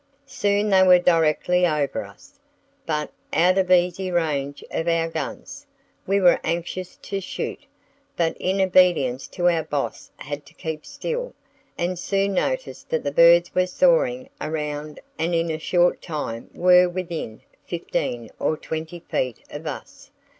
Soon they were directly over us, but out of easy range of our guns. We were anxious to shoot, but in obedience to our boss had to keep still, and soon noticed that the birds were soaring around and in a short time were within fifteen or twenty feet of us.